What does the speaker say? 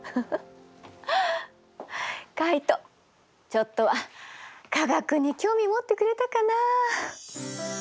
カイトちょっとは科学に興味持ってくれたかな。